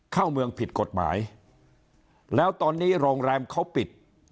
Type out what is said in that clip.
เข้าเมืองผิดกฎหมายแล้วตอนนี้โรงแรมเขาปิด